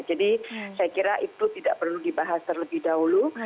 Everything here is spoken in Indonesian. jadi saya kira itu tidak perlu dibahas terlebih dahulu